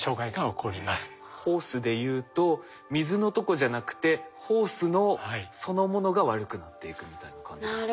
ホースでいうと水のとこじゃなくてホースのそのものが悪くなっていくみたいな感じですね。